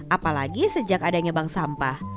apalagi sejak adanya bank sampah